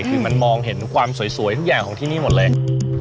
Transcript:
คือมันมองเห็นความสวยทุกอย่างของที่นี่หมดเลย